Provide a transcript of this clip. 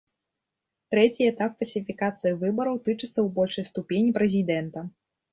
Трэці этап фальсіфікацыі выбараў тычыцца ў большай ступені прэзідэнта.